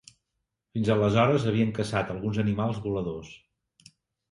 Fins aleshores havien caçat alguns animals voladors.